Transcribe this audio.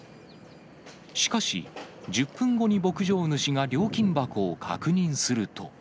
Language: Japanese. しかし、１０分後に牧場主が料金箱を確認すると。